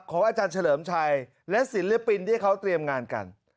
อาจารย์เฉลิมชัยและศิลปินที่เขาเตรียมงานกัน